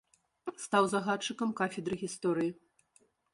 Стаў загадчыкам кафедры гісторыі.